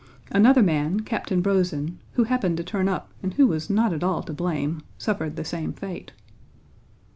Another man, Captain Brózin, who happened to turn up and who was not at all to blame, suffered the same fate.